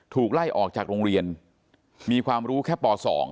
ถูกไล่ออกจากโรงเรียนมีความรู้แค่ป๒